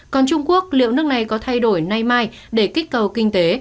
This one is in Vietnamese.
còn trung quốc liệu nước này có thay đổi nay mai để kích cầu kinh tế